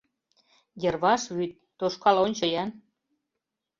Йырваш вӱд — тошкал ончо-ян!